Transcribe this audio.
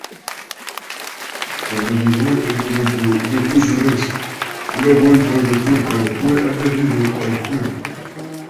Cuando llegó el momento de fusionarse, una vuelta de tuerca fue añadido al juego.